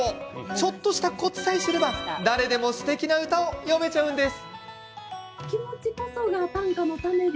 ちょっとしたコツさえ知れば誰でもすてきな歌を詠めちゃうんです。